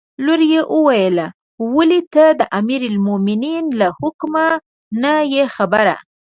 لور یې وویل: ولې ته د امیرالمؤمنین له حکمه نه یې خبره.